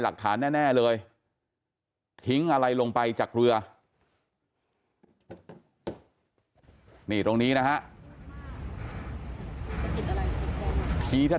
หลักฐานแน่เลยทิ้งอะไรลงไปจากเรือนี่ตรงนี้นะฮะ